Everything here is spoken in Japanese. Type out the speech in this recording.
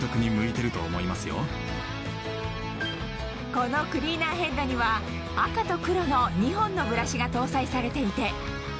このクリーナーヘッドには赤と黒の２本のブラシが搭載されていてそこで